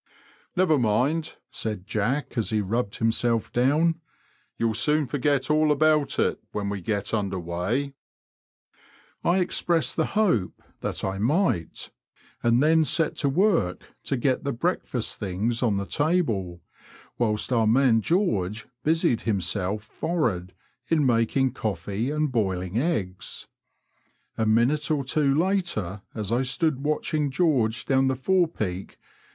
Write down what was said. ' Never mind," said Jack, as he rubbed himself down ; "you'll soon forget all about it when we get under weigh." I expressed the hope that I might, and then set to work to get the breakfast things on the table, whilst our man George busied himself *' for'ard " in making coffee and boiling eggs. A minute or two later, as 1 stood watching George down the forepeak.